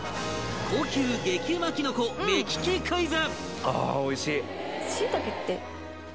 高級激うまキノコ目利きクイズ！